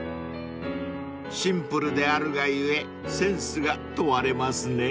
［シンプルであるが故センスが問われますね］